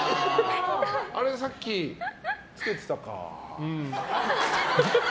さっき、つけてたか。